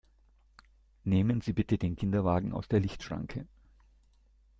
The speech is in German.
Nehmen Sie bitte den Kinderwagen aus der Lichtschranke!